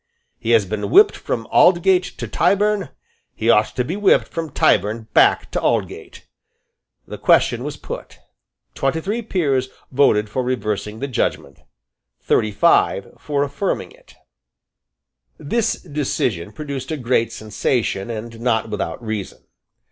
He has been whipped from Aldgate to Tyburn. He ought to be whipped from Tyburn back to Aldgate." The question was put. Twenty three peers voted for reversing the judgment; thirty five for affirming it, This decision produced a great sensation, and not without reason.